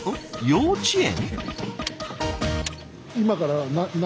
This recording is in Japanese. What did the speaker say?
幼稚園？